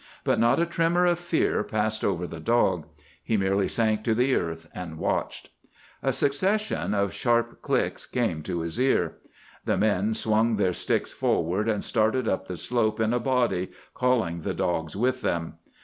But not a tremor of fear passed over the dog. He merely sank to the earth, and watched. A succession of sharp clicks came to his ear; the men swung their sticks forward and started up the slope in a body, calling the dogs with them.